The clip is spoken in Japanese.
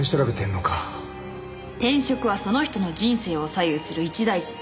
転職はその人の人生を左右する一大事。